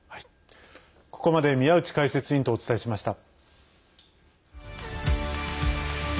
ここまで宮内解説委員とお伝えしました。